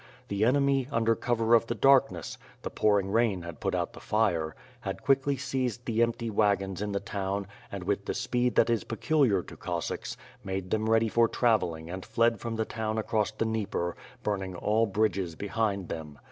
The enemy, under cover of the darkness — the pouring rain had put out the fire — had quickly seized the empty wagons in the town, and, with the speed that is peculiar to Cossacks, made them ready for travelling and fled from the town across the Dnieper, burning all bridges behind them.